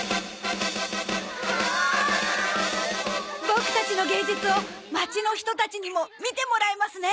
ボクたちの芸術を街の人たちにも見てもらえますね！